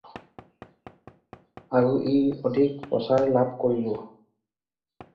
আৰু ই অধিক প্ৰচাৰ লাভ কৰিব।